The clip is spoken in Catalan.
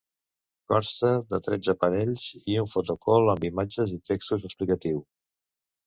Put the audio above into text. Consta de tretze panells i un ‘photocall’ amb imatges i textos explicatiu.